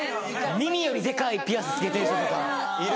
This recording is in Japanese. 耳よりデカいピアス着けてる人とか。